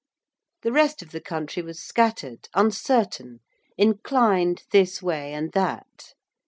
The rest of the country was scattered, uncertain, inclined this way and that.